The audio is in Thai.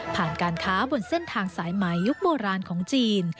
การค้าบนเส้นทางสายไหมยุคโบราณของจีน